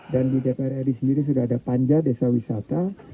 dan di dpr adwi sendiri sudah ada panja desa wisata